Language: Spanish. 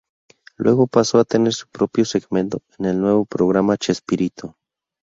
Luego pasó a tener su propio segmento en el nuevo programa Chespirito.